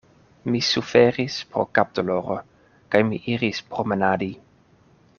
Mi suferis pro kapdoloro, kaj mi iris promenadi.